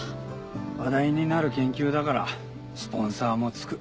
話題になる研究だからスポンサーもつく。